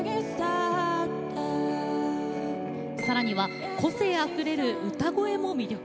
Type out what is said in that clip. さらには個性あふれる歌声も魅力。